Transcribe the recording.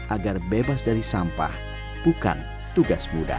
agar bebas dari sampah bukan tugas mudah